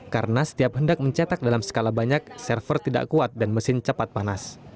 karena setiap hendak mencetak dalam skala banyak server tidak kuat dan mesin cepat panas